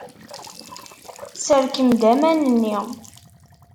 Serkem-d aman-nni.